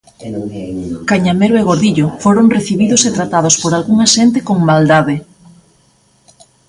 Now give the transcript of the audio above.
Cañamero e Gordillo foron recibidos e tratados por algunha xente con maldade.